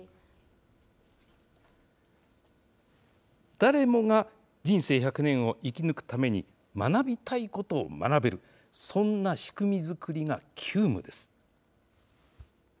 誰もが人生１００年を生き抜くために学びたいことを学べる、そんな仕組み作りが急務です。